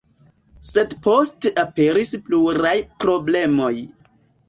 Sed poste aperis pluraj problemoj.